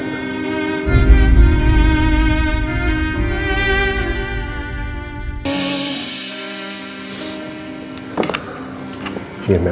untuk penyembuhan penglihatan aku